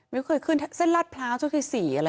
ไม่เคยขึ้นเส้นลาดพร้าวช่วงที่๔อะไร